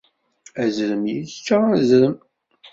Azrem yečča azrem!